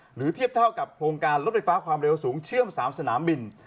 หรือเทียบเท่ากับโครงการรถไฟฟ้าความเร็วสูงเชื่อม๓สนามบิน